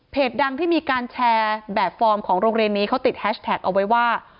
ดังที่มีการแชร์แบบฟอร์มของโรงเรียนนี้เขาติดแฮชแท็กเอาไว้ว่า